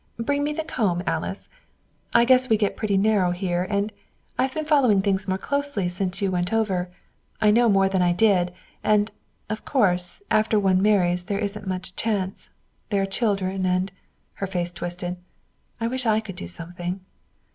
"Bring me the comb, Alice. I guess we get pretty narrow here and I've been following things more closely since you went over. I know more than I did. And, of course, after one marries there isn't much chance. There are children and " Her face twisted. "I wish I could do something."